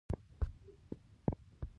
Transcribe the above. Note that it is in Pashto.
بېلابېلو توکو او مریانو وینز شتمن کړ.